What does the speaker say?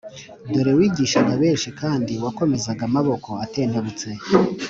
dore wigishaga benshi, kandi wakomezaga amaboko atentebutse